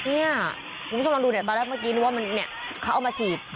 เนี่ยคุณผู้ชมลองดูเนี่ยตอนแรกเมื่อกี้รู้ว่ามันเนี่ยเขาเอามาฉีด